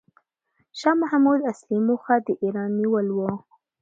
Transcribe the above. شاه محمود اصلي موخه د ایران نیول و.